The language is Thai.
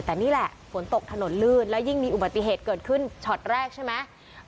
แต่นี่แหละฝนตกถนนลื่นแล้วยิ่งมีอุบัติเหตุเกิดขึ้นช็อตแรกใช่ไหม